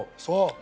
そう！